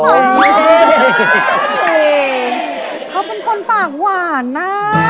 เขาเป็นคนปากหวานนะ